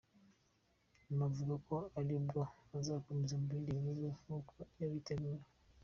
Nyuma avuga ko ari bwo azakomereza mu bindi bihugu nk’uko yabiteguye.